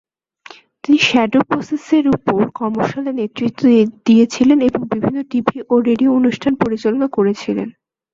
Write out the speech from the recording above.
তিনি "shadow process" এর উপর কর্মশালার নেতৃত্ব দিয়েছিলেন এবং বিভিন্ন টিভি ও রেডিও অনুষ্ঠান পরিচালনা করেছিলেন।